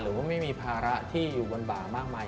หรือว่าไม่มีภาระที่อยู่บนบ่ามากมาย